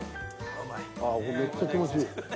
ああめっちゃ気持ちいい。